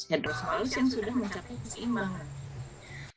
hydrocephalus yang sudah mencapai keseimbangan